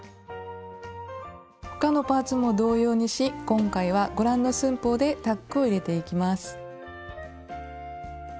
他のパーツも同様にし今回はご覧の寸法でタックを入れていきます。